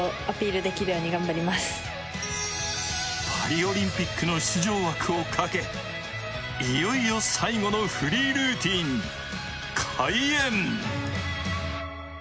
パリオリンピックの出場枠をかけ、いよいよ最後のフリールーティン開演。